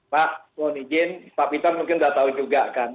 pak mohon izin pak peter mungkin sudah tahu juga kan